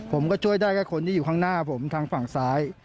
ผมก็ช่วยได้แค่คนที่อยู่ข้างหน้าผมทางฝั่งซ้าย